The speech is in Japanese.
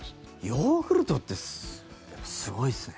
ヨーグルトってすごいですね。